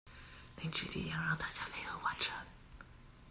凝聚力量讓大家配合完成